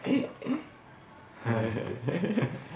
はい。